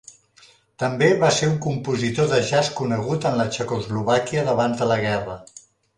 També va ser un compositor de jazz conegut en la Txecoslovàquia d'abans de la guerra.